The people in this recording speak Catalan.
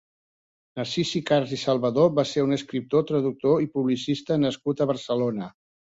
Narcís Sicars i Salvadó va ser un escriptor, traductor i publicista nascut a Barcelona.